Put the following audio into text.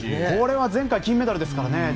これは前回金メダルですからね。